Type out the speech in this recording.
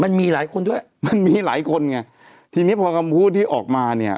มันมีหลายคนด้วยมันมีหลายคนไงทีนี้พอคำพูดที่ออกมาเนี่ย